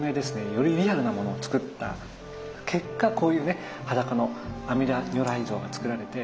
よりリアルなものをつくった結果こういうね裸の阿弥陀如来像がつくられて。